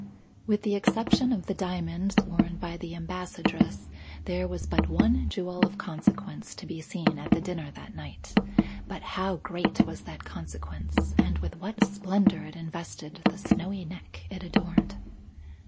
With the exception of the diamonds worn by the Ambassadress, there was but one jewel of consequence to be seen at the dinner that night; but how great was that consequence and with what splendour it invested the snowy neck it adorned!